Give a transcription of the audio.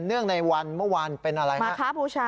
เนื่องในวันเมื่อวานเป็นอะไรครับวันมาค้าบูชา